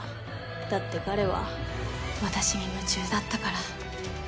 だって彼は私に夢中だったから」。